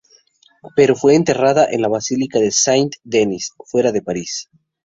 Pero fue enterrada en la Basílica de Saint-Denis fuera de París.